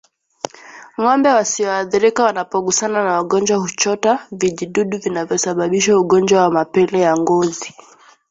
Ngombe wasioathirika wanapogusana na wagonjwa huchota vijidudu vinavyosababisha ugonjwa wa mapele ya ngozi